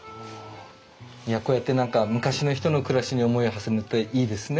いやこうやって何か昔の人の暮らしに思いをはせるのっていいですね。